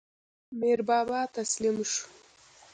میربابا تسلیم شو.